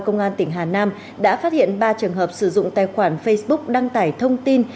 công an tỉnh hà nam đã phát hiện ba trường hợp sử dụng tài khoản facebook đăng tải thông tin